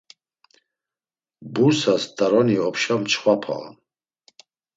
Bursas t̆aroni opşa mçxapa on.